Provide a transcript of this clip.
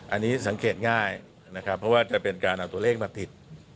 อันนี้สังเกตง่ายนะครับเพราะว่าจะเป็นการเอาตัวเลขมาติด